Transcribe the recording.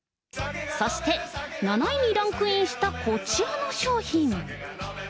そして、７位にランクインしたこちらの商品。